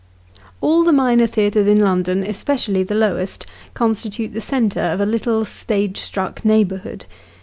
All the minor theatres in London, especially the lowest, constitute the centre of a little stage struck neighbourhood.